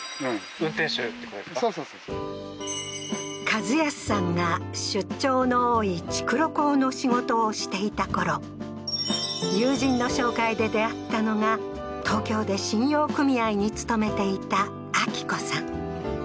一康さんが、出張の多い築炉工の仕事をしていたころ、友人の紹介で出会ったのが、東京で信用組合に勤めていた秋子さん。